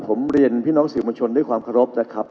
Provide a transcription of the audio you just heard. ผมเรียนพี่น้องสื่อมวลชนด้วยความเคารพนะครับ